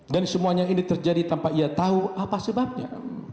semuanya ini terjadi tanpa ia tahu apa sebabnya